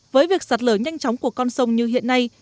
với việc sạt lở nhanh chóng của con sông như hiện nay